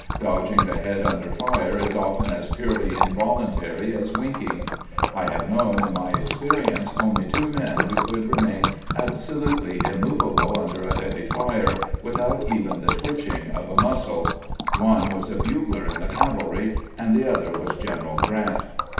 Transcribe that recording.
Dodg ing the head under fire is often as purely involuntary as winking. I have known, in my experience, only two men who could remain absolutely immovable under a heavy fire, without even the twitching of a muscle. One 140 GEANT CKOSSES THE NORTH ANNA 141 was a bugler in the cavalry, and the other was General Grant.